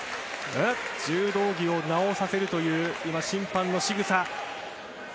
柔道着を直させるという審判のしぐさ。